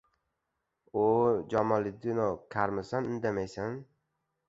— U-o‘, Jamoliddinov, karmisan — indamaysai?!